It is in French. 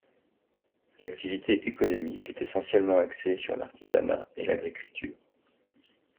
L'activité économique est essentiellement axée sur l'artisanat et l'agriculture.